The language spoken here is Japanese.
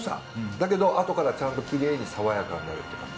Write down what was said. だけどあとからちゃんときれいに爽やかになるって感じ？